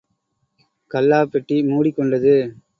கல்லாப் பெட்டி முடிக்கொண்டது.